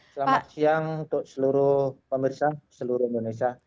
selamat siang untuk seluruh pemirsa seluruh indonesia